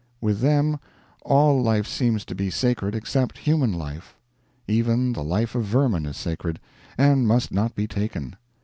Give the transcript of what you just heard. With them, all life seems to be sacred except human life. Even the life of vermin is sacred, and must not be taken.